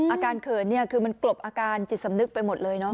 เขินเนี่ยคือมันกลบอาการจิตสำนึกไปหมดเลยเนาะ